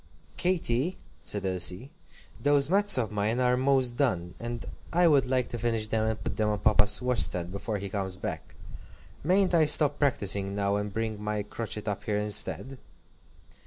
"Katy," said Elsie, "those mats of mine are most done, and I would like to finish them and put them on Papa's washstand before he comes back. Mayn't I stop practising now, and bring my crochet up here instead?"